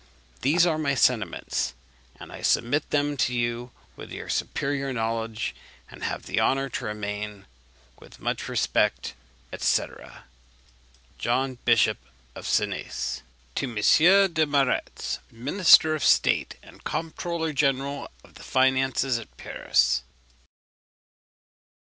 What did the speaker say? These are my sentiments, and I submit them to your superior knowledge; and have the honour to remain, with much respect, &c. "+ JOHN BISHOP OF SENES. "To M. Desmarets, Minister of State, and Comptroller General of the Finances, at Paris."